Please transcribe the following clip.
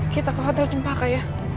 kita ke hotel cempaka ya